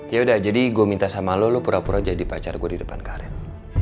yaudah jadi gue minta sama lo lo pura pura jadi pacar gue di depan karin